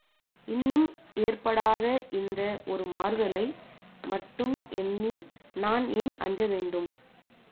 இன்னும் ஏற்படாத இந்த ஒரு மாறுதலை மட்டும் எண்ணி, நான் ஏன் அஞ்ச வேண்டும்?